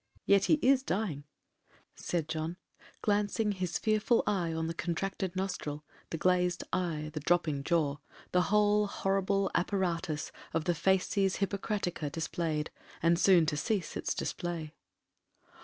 Yet he is dying,' said John, glancing his fearful eye on the contracted nostril, the glazed eye, the dropping jaw, the whole horrible apparatus of the facies Hippocratica displayed, and soon to cease its display.